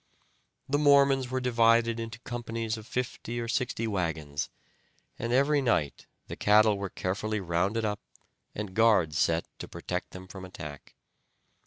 The Mormons were divided into companies of fifty or sixty wagons, and every night the cattle were carefully rounded up and guards set to protect them from attack.